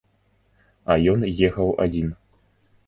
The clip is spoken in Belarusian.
А ён ехаў адзін.